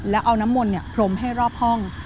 แล้วเอาน้ำมนต์พรมให้รอบห้อง